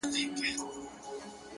پيل كي وړه كيسه وه غم نه وو.!